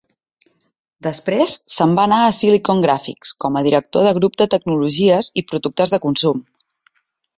Després se'n va anar a Silicon Graphics com a director de grup de tecnologies i productes de consum.